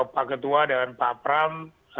pak ketua dan pak pram